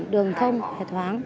đường thông hệ thoáng